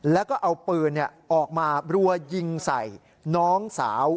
แล้วก็เอาปืนออกมารัวยิงใส่น้องสาว